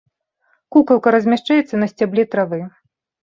Кукалка размяшчаецца на сцябле травы.